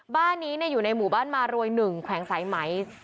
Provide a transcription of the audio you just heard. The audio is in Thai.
บ้านนี้อยู่ในหมู่บ้านมารวย๑แขวงสายไหม